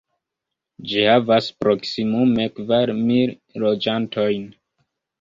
Ĝi havas proksimume kvar mil loĝantojn.